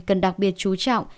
cần đặc biệt chú trọng